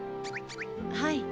はい。